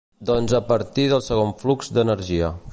Doncs a partir del segon flux d’energia.